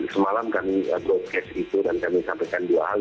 semalam kami broadcast itu dan kami sampaikan dua hal